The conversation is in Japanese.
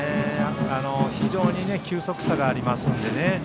非常に球速差がありますので。